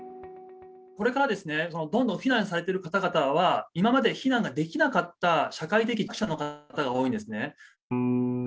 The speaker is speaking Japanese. これからどんどん避難されてる方は、今まで避難ができなかった社会的弱者の方が多いんですね。